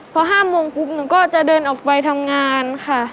พอ๕โมงปุ๊บหนูก็จะเดินออกไปทำงานค่ะ